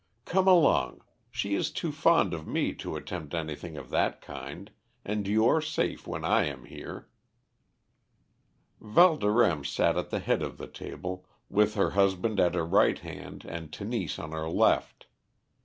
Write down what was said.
"Come along. She is too fond of me to attempt anything of that kind, and you are safe when I am here." Valdorême sat at the head of the table, with her husband at her right hand and Tenise on her left.